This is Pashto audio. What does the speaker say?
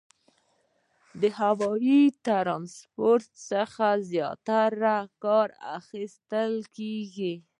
د هوایي ترانسپورتي څخه زیاتره څه کار اخیستل کیږي؟